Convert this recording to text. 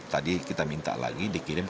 tadi kita minta lagi dikirim